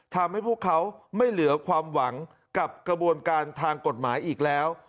ทำให้พวกเขาไม่เหลือความหวังกับกระบวนการทางกฎหมายอีกแล้ว